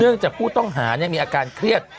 จากผู้ต้องหามีอาการเครียด